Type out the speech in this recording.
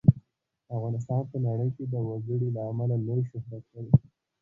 افغانستان په نړۍ کې د وګړي له امله لوی شهرت لري.